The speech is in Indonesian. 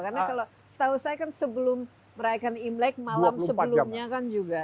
karena kalau setahu saya kan sebelum merayakan imlek malam sebelumnya kan juga